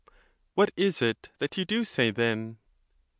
What is it that you do say, then?